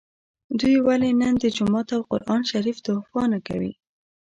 دوی ولي نن د جومات او قران شریف دفاع نکوي